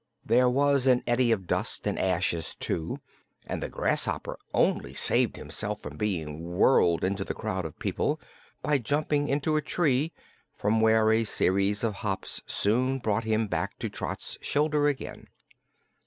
There was an eddy of dust and ashes, too, and the grasshopper only saved himself from being whirled into the crowd of people by jumping into a tree, from where a series of hops soon brought him back to Trot's shoulder again.